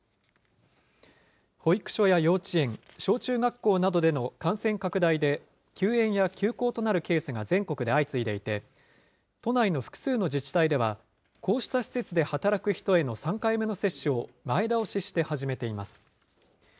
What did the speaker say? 保育所や幼稚園、小中学校などでの感染拡大で、休園や休校となるケースが全国で相次いでいて、都内の複数の自治体では、こうした施設で働く人への３回目の接種を前倒しして始めています。